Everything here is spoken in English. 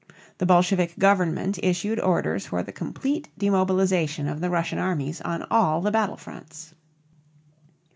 The Bolshevik government issued orders for the complete demobilization of the Russian armies on all the battle fronts.